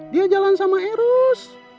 dia jalan sama eros